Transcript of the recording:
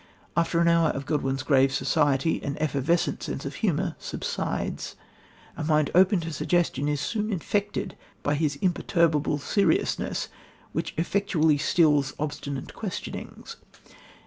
After an hour of Godwin's grave society an effervescent sense of humour subsides. A mind open to suggestion is soon infected by his imperturbable seriousness, which effectually stills "obstinate questionings."